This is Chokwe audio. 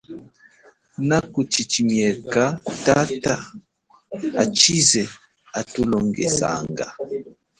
Naku chichimieka tata hachize atulongesanga.